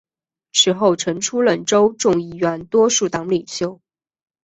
此后曾出任州众议院多数党领袖。